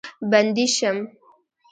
بندي شم.